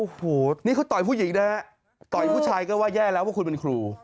โอ้โหนี่เขาต่อยผู้หญิงนะฮะต่อยผู้ชายก็ว่าแย่แล้วว่าคุณเป็นครู